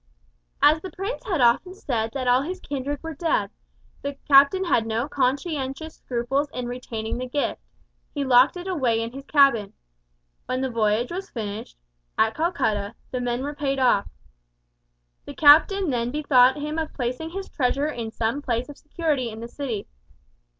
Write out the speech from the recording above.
"As the prince had often said that all his kindred were dead, the captain had no conscientious scruples in retaining the gift. He locked it away in his cabin. When the voyage was finished at Calcutta the men were paid off. The captain then be thought him of placing his treasure in some place of security in the city.